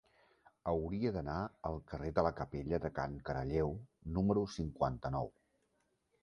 Hauria d'anar al carrer de la Capella de Can Caralleu número cinquanta-nou.